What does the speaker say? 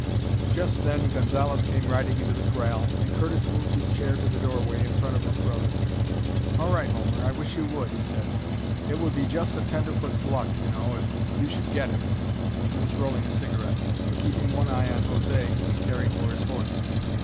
Just then Gonzalez came riding into the corral, and Curtis moved his chair to the doorway, in front of his brother. "All right, Homer, I wish you would," he said; "it would be just a tenderfoot's luck, you know, if you should get it." He was rolling a cigarette, but keeping one eye on José, who was caring for his horse.